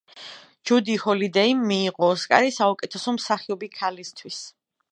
ჯუდი ჰოლიდეიმ მიიღო ოსკარი საუკეთესო მსახიობი ქალისთვის.